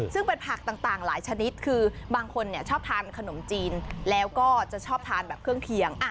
ซึ่งเป็นผักต่างหลายชนิดคือบางคนชอบทานขนมจีนแล้วก็จะชอบทานแบบเครื่องเคียง